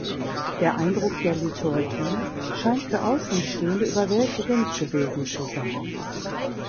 Der Eindruck der Liturgie scheint für Außenstehende überwältigend gewesen zu sein.